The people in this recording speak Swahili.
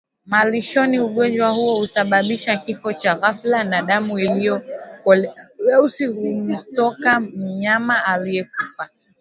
malishoni Ugonjwa huo husababisha kifo cha ghafla na damu iliyokolea weusi humtoka mnyama aliyekufa